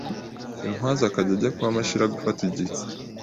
Intwaza akajya ajya kwa Mashira gufata igihe,